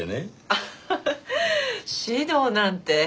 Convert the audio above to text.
アハハ指導なんて。